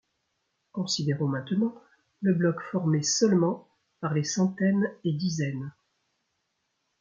Considérons maintenant le bloc formé seulement par les centaines et dizaines.